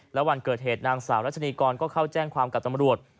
และวันเกิดเหตุนางสาวรัชนีกรก็เข้าแจ้งความกับตำรวจ